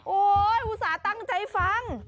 อุตส่าห์ตั้งใจฟัง